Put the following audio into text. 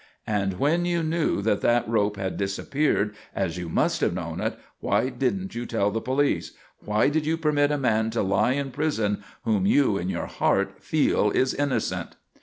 _And when you knew that that rope had disappeared, as you must have known it, why didn't you tell the police? Why did you permit a man to lie in prison whom you in your heart feel is innocent?